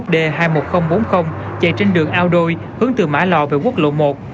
năm mươi một d hai mươi một nghìn bốn mươi chạy trên đường ao đôi hướng từ mã lò về quốc lộ một